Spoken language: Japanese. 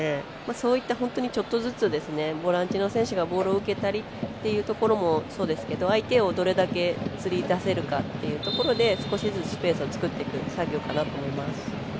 そういった本当に、ちょっとずつボランチの選手がボールを受けたりというところもそうですけど、相手をどれだけつりだせるかっていうところで少しずつスペースを作っていく作業かなと思います。